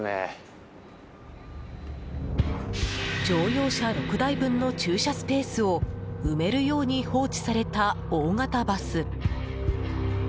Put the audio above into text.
乗用車６台分の駐車スペースを埋めるように放置された大型バス。